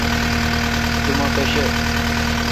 تو مہ پاݭہ۔